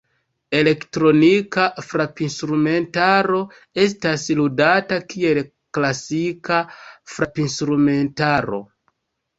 Elektronika frapinstrumentaro estas ludata kiel klasika frapinstrumentaro.